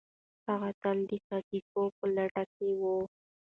هغه تل د حقایقو په لټه کي و.